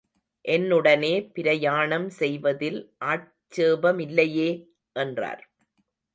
என்னுடனே பிரயாணம் செய்வதில் ஆட்சேபமில்லையே? என்றார்.